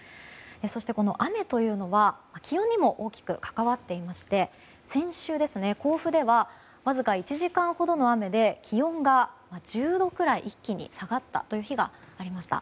そして雨は、気温にも大きく関わっていて先週、甲府ではわずか１時間ほどの雨で気温が１０度くらい一気に下がったという日がありました。